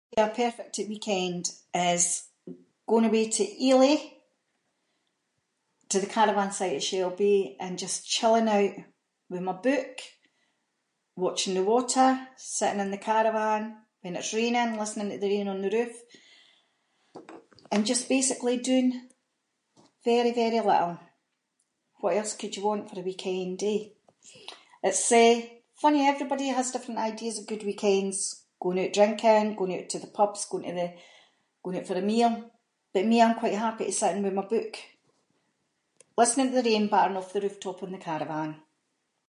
A perfect weekend, is going away to Elie, to the caravan site at Shell Bay, and just chilling out with my book, watching the water, sitting in the caravan. When it’s raining, listening to the rain on the roof, and just basically doing very very little. What else could you want for a weekend eh? It’s, eh, funny, everybody has different ideas of good weekends, going oot drinking, going oot to the pubs, going to the- going oot for a meal, but me, I’m quite happy to sit in with my book, listening to the rain battering off the rooftop on the caravan.